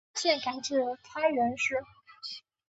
现改置开原市。